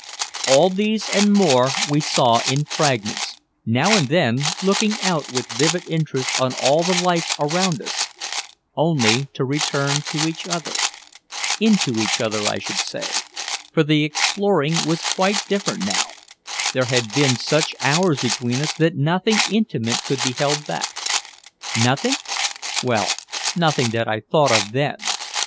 All these and more we saw in fragments, now and then, looking out with vivid interest on all the life around us, only to return to each other, into each other I should say, for the exploring was quite different now, there had been such hours between us that nothing intimate could be held back. Nothing? Well, nothing that I thought of then.